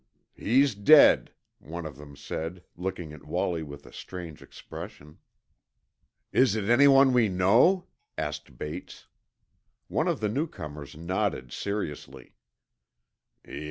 "He's dead," one of them said, looking at Wallie with a strange expression. "Is it anyone we know?" asked Bates. One of the newcomers nodded seriously.